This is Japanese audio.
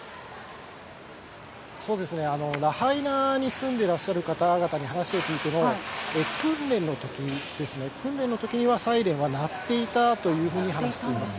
そうですね、ラハイナに住んでらっしゃる方々に話を聞いても、訓練のときですね、訓練のときにはサイレンは鳴っていたというふうに話しています。